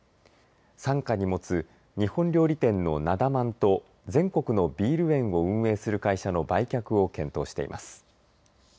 傘下に持つ日本料理店のなだ万と全国のビール園を運営する会社の売却を検討しています。